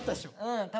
うん。